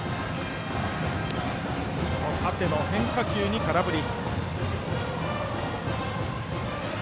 縦の変化球に空振り。